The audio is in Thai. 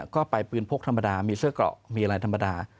ก็ไปปืนพกธรรมดามีเสื้อกรอกมีอะไรธรรมดา